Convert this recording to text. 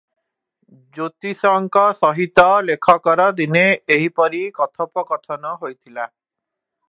ଜ୍ୟୋତିଷଙ୍କ ସହିତ ଲେଖକର ଦିନେ ଏହିପରି କଥୋପକଥନ ହୋଇଥିଲା ।